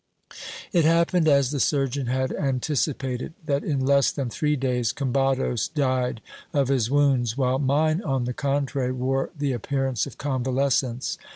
It happened as the surgeon had anticipated, that in less than three days Combados died of his wounds, while mine on the contrary wore the appear ance of convalescence.